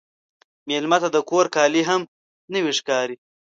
مېلمه ته د کور کالي هم نوی ښکاري.